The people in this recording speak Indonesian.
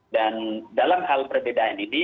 dan dalam hal perbedaan ini